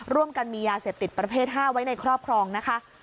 ร่วมกันมียาเสพติดประเภท๕ไว้ในครอบครองนะคะ